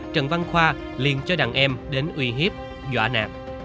trần văn khoa liên cho đàn em đến uy hiếp dọa nạt